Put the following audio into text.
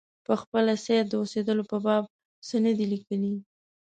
پخپله سید د اوسېدلو په باب څه نه دي لیکلي.